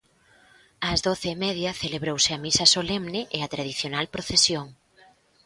Ás doce e media celebrouse a misa solemne e a tradicional procesión.